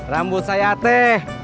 rambut saya ateh